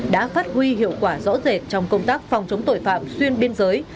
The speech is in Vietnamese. đã phát huy hiệu quả rõ rệt trong công tác phòng chống tội phạm xuyên biên giới